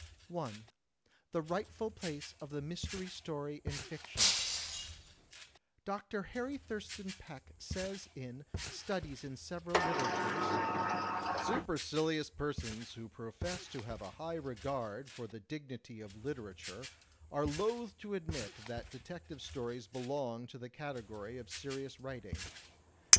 I. The Rightful Place of the Mystery Story in Fiction Dr. Harry Thurston Peck says in "Studies In Several Literatures": "Supercilious persons who profess to have a high regard for the dignity of ^literature' are loath to admit that detective stories belong to the category of serious writing.